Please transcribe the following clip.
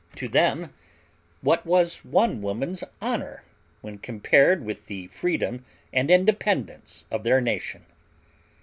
To them, what was one woman's honor when compared with the freedom and independence of their nation?